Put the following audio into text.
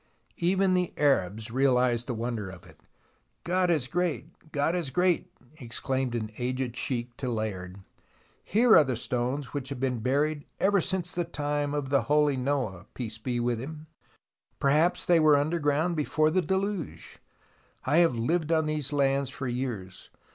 Even the Arabs realized the wonder of it. " God is great ! God is great !" exclaimed an aged sheik to Layard. " Here are stones which have been buried ever since the time of the holy Noah — peace be with him. Perhaps they were underground before the Deluge. I have lived on these lands for years.